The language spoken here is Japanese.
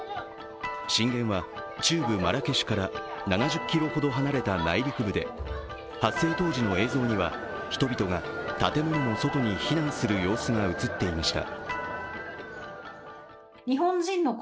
震源は中部マラケシュから７０ｋｍほど離れた内陸部で発生当時の映像には、人々が建物の外に避難する様子が映っていました。